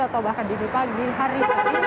atau bahkan di pagi hari